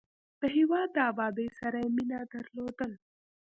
د هېواد د ابادۍ سره یې مینه درلودل.